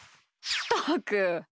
ったく！